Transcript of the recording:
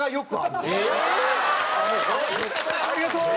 ありがとう！